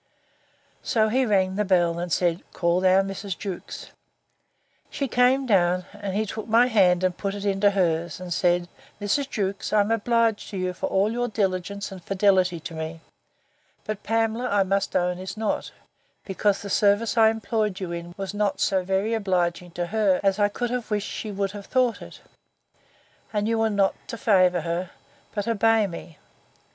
So he rung the bell, and said, Call down Mrs. Jewkes. She came down, and he took my hand, and put it into hers; and said, Mrs. Jewkes, I am obliged to you for all your diligence and fidelity to me; but Pamela, I must own, is not; because the service I employed you in was not so very obliging to her, as I could have wished she would have thought it: and you were not to favour her, but obey me.